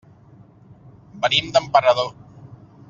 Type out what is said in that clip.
Venim d'Emperador.